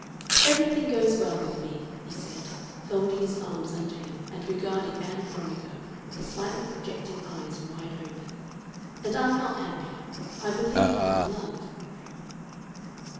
"Everything goes well with me," he said, folding his arms under him and regarding Ann Veronica with the slightly projecting eyes wide open. "And I'm not happy. I believe I'm in love."